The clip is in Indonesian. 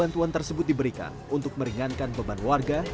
bantuan tersebut diberikan untuk meringankan beban warga